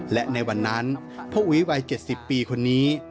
และในวันนั้นพ่ออุ๋ยวัย๗๐ปีคนนี้